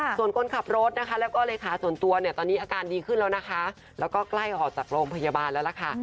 ส่วนคนขับรถนะคะแล้วก็เลขาส่วนตัวเนี่ยตอนนี้อาการดีขึ้นแล้วนะคะแล้วก็ใกล้ออกจากโรงพยาบาลแล้วล่ะค่ะ